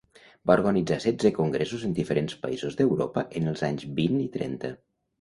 Va organitzar setze congressos en diferents països d'Europa en els anys vint i trenta.